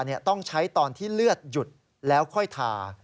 ต้องใช้ตอนที่เลือดหยุดแล้วค่อยทา